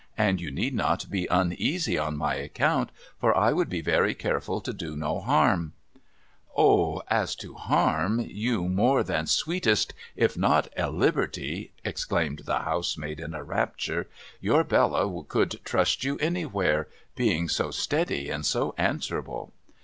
And you need not be uneasy on my account, for I would be very careful to do no harm.' * O ! As to harm, you more than sweetest, if not a liberty,' exclaimed the housemaid, in a raptur e, ' your Bella could trust you 270 TOM TIDDLER'S GROUND anywhere, being so steady, and so answeralile.